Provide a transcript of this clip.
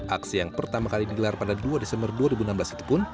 aksi yang pertama kali digelar pada dua desember dua ribu enam belas itu pun